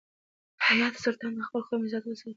حیات سلطان د خپل قوم عزت وساتی.